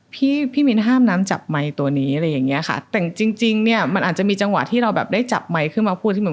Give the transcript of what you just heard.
พี่มินห้ามน้ำจับไมค์ตัวนี้แต่จริงมันอาจจะมีจังหวะที่เราได้จับไมค์ขึ้นมาพูด